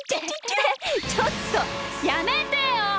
ちょっとやめてよ！